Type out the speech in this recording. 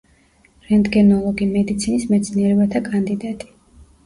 რენტგენოლოგი, მედიცინის მეცნიერებთა კანდიდატი.